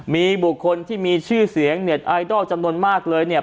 มีบุคคลที่มีชื่อเสียงเน็ตไอดอลจำนวนมากเลยเนี่ย